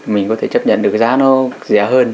mình có thể chấp nhận được cái giá nó rẻ hơn